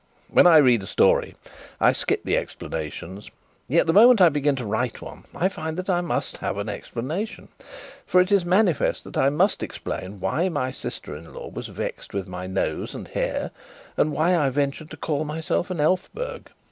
When I read a story, I skip the explanations; yet the moment I begin to write one, I find that I must have an explanation. For it is manifest that I must explain why my sister in law was vexed with my nose and hair, and why I ventured to call myself an Elphberg.